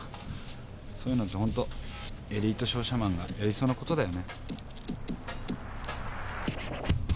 そういうのってホントエリート商社マンがやりそうなことだよね。